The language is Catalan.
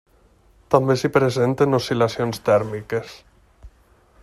També s'hi presenten oscil·lacions tèrmiques.